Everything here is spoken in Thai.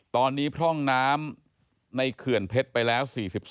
ตอนนี้พร่องน้ำในเขื่อนเพชรไปแล้ว๔๒